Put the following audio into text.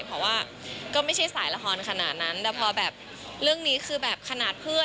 เพราะว่าก็ไม่ใช่สายละครขนาดนั้นแต่พอแบบเรื่องนี้คือแบบขนาดเพื่อน